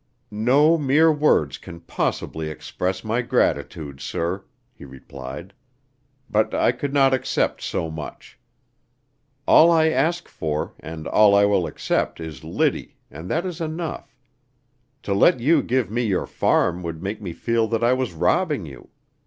"No mere words can possibly express my gratitude, sir," he replied, "but I could not accept so much. All I ask for, and all I will accept is Liddy, and that is enough. To let you give me your farm would make me feel that I was robbing you.